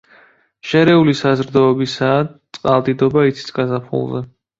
შერეული საზრდოობისაა, წყალდიდობა იცის გაზაფხულზე.